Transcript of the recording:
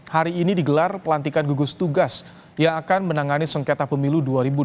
hari ini digelar pelantikan gugus tugas yang akan menangani sengketa pemilu dua ribu dua puluh